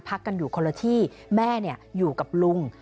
กันอยู่คนละที่แม่อยู่กับลุง